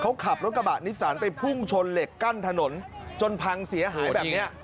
เขาขับรถกระบะนิสันไปพุ่งชนเหล็กกั้นถนนจนพังเสียหายแบบนี้